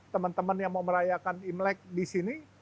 teman teman yang mau merayakan imlek di sini